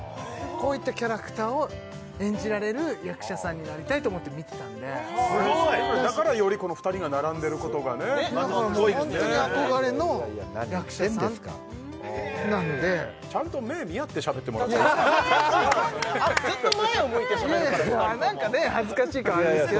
こういったキャラクターを演じられる役者さんになりたいと思って見てたんでだからよりこの２人が並んでることがねだからもうホントに憧れのいやいや何言ってんですか役者さんなんでちゃんと目見合ってしゃべってもらっていいですかずっと前を向いてしゃべるから何かね恥ずかしい感じですよ